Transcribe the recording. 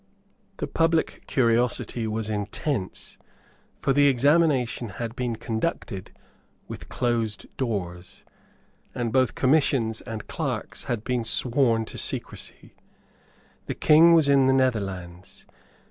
The public curiosity was intense; for the examination had been conducted with closed doors; and both Commissioners and clerks had been sworn to secrecy. The King was in the Netherlands.